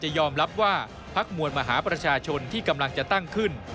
ยอมรับว่าพักมวลมหาประชาชนที่กำลังจะตั้งขึ้น